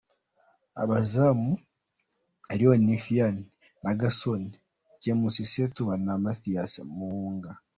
Abazamu : Alionzi Nafian Legason, Cleo James Setuba na Mathias Muwanga